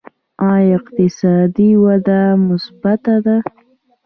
آیا اقتصادي وده مثبته ده؟